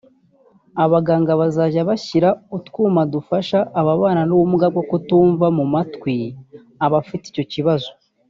abaganga bazajya bashyira utwuma dufasha ababana n’ubumuga bwo kutumva mu matwi abafite icyo kibazo